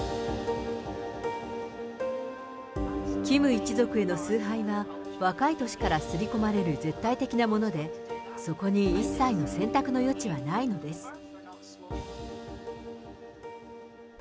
キム一族への崇拝は、若い年から刷り込まれる絶対的なもので、そこに一切の選択の余地はないのです。